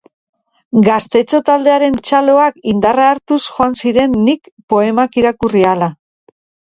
Gaztetxo taldearen txaloak indarra hartuz joan ziren nik poemak irakurri ahala...